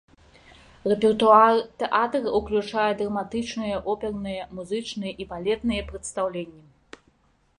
Рэпертуар тэатра ўключае драматычныя, оперныя, музычныя і балетныя прадстаўленні.